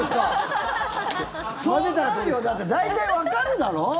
だって、大体わかるだろ。